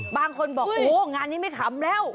บางคนบอกโอ้งานนี้ไม่ขำแล้ว